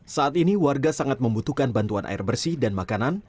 saat ini warga sangat membutuhkan bantuan air bersih dan makanan